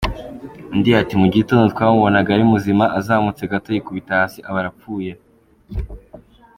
Undi ati “Mu gitondo twamubonaga ari muzima azamutse gato yikubita hasi aba arapfuye.